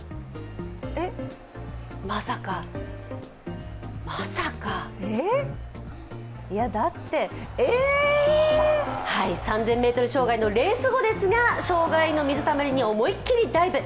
まさか、まさかはい、３０００ｍ障害のレース後ですが障害の水たまりに思い切りダイブ。